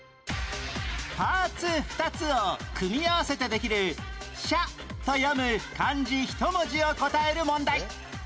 パーツ２つを組み合わせてできる「しゃ」と読む漢字１文字を答える問題